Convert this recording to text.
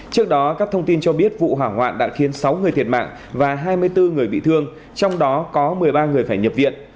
trước đó các thông tin cho biết vụ hỏa hoạn đã khiến sáu người thiệt mạng và hai mươi bốn người bị thương trong đó có một mươi ba người phải nhập viện